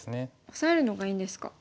オサえるのがいいんですか。